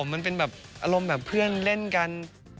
มันเป็นแบบเอารมไปเพื่อกืนเล่นกัน